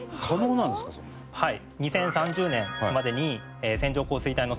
はい。